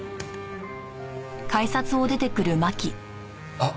あっ。